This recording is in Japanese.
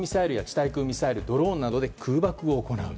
対空ミサイルドローンなどで空爆を行う。